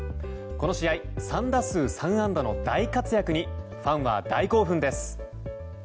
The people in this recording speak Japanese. この試合３打数３安打の大活躍にファンは大興奮です。